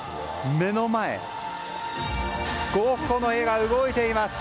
目の前でゴッホの絵が動いています！